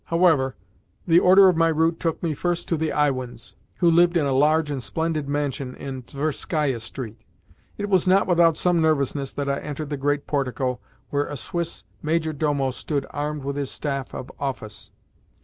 However, the order of my route took me first to the Iwins, who lived in a large and splendid mansion in Tverskaia Street. It was not without some nervousness that I entered the great portico where a Swiss major domo stood armed with his staff of office.